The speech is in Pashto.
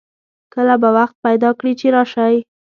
کله به وخت پیدا کړي چې راشئ